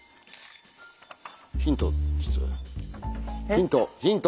ヒントヒント！